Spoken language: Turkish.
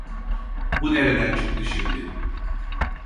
Bu nereden çıktı şimdi?